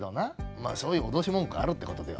まあそういう脅し文句があるって事だよ。